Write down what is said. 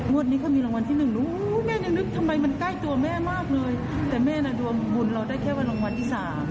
วันนี้เขามีรางวัลที่หนึ่งหนูแม่ยังนึกทำไมมันใกล้ตัวแม่มากเลยแต่แม่น่ะรวมบุญเราได้แค่วันรางวัลที่สาม